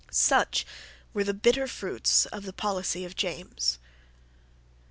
Such were the bitter fruits of the policy of James.